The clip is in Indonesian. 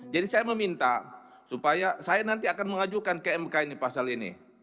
jadi saya meminta supaya saya nanti akan mengajukan kmk ini pasal ini